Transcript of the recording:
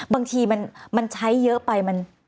บางทีมันใช้เยอะไป